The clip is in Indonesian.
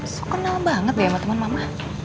so kenal banget ya sama temen mama